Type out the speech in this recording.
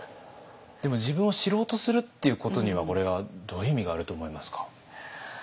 でも自分を知ろうとするっていうことにはこれはどういう意味があると思いますか？